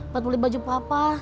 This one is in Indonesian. buat pulih baju papa